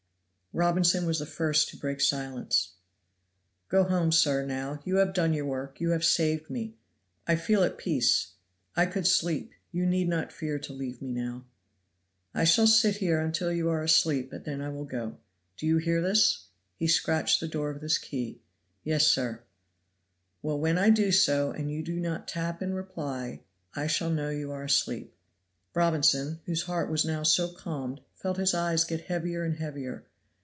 Robinson was the first to break silence. "Go home, sir, now; you have done your work, you have saved me. I feel at peace. I could sleep. You need not fear to leave me now." "I shall sit here until you are asleep, and then I will go. Do you hear this?" and he scratched the door with his key. "Yes, sir." "Well, when I do so and you do not tap in reply I shall know you are asleep." Robinson, whose heart was now so calmed, felt his eyes get heavier and heavier.